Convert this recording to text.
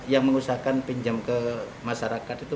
yang mengusahakan pinjam ke masyarakat itu